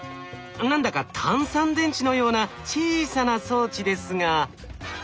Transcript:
何だか単三電池のような小さな装置ですが。